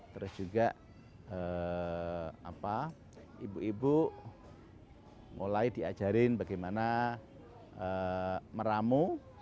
terus juga ibu ibu mulai diajarin bagaimana meramu